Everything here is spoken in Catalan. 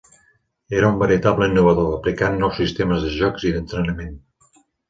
Era un veritable innovador, aplicant nous sistemes de joc i d'entrenament.